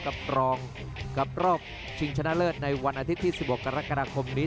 กับรองกับรอบชิงชนะเลิศในวันอาทิตย์ที่๑๖กรกฎาคมนี้